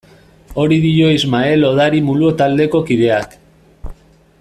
Hori dio Ismael Odari Mulo taldeko kideak.